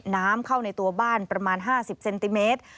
น้ำเข้าในตัวบ้านประมาณ๕๐เซนติเมตร